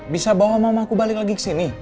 bisa bawa mamaku balik lagi kesini